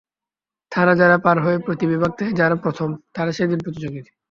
থানা জেলা পার হয়ে প্রতি বিভাগ থেকে যারা প্রথম, তারা সেদিনের প্রতিযোগী।